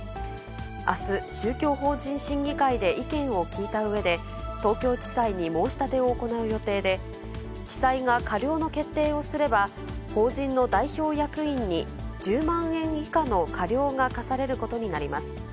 あす、宗教法人審議会で意見を聞いたうえで、東京地裁に申し立てを行う予定で、地裁が過料の決定をすれば、法人の代表役員に１０万円以下の過料が科されることになります。